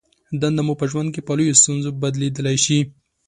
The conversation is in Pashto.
دنده مو په ژوند کې په لویې ستونزه بدلېدای شي.